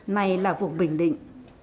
này là vùng bình định